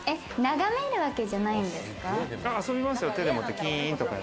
眺めるわけじゃないんですか？